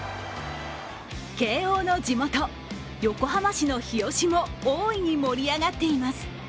慶応の地元、横浜市の日吉も大いに盛り上がっています。